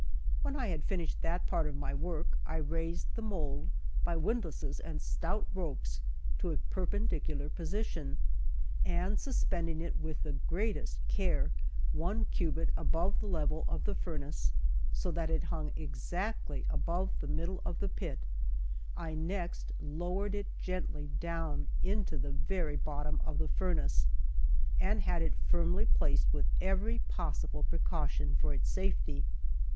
When I had finished that part of my work, I raised the mould by windlasses and stout ropes to a perpendicular position, and suspending it with the greatest care one cubit above the level of the furnace, so that it hung exactly above the middle of the pit, I next lowered it gently down into the very bottom of the furnace, and had it firmly placed with every possible precaution for its safety.